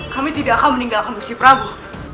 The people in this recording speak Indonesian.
kami tidak akan meninggalkan nusyaprabu